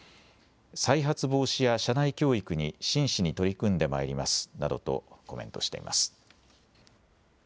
再発防止や社内教育に真摯に取り組んでまいりますなどとコメントしています。